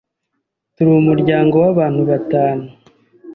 Turi umuryango wabantu batanu.